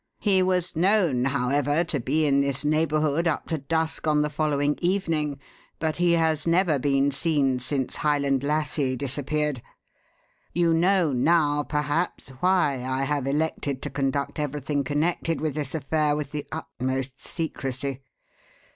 He was known, however, to be in this neighbourhood up to dusk on the following evening, but he has never been seen since Highland Lassie disappeared. You know now, perhaps, why I have elected to conduct everything connected with this affair with the utmost secrecy.